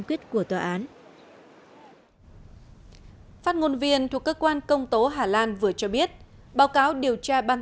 quyết của tòa án phát ngôn viên thuộc cơ quan công tố hà lan vừa cho biết báo cáo điều tra ban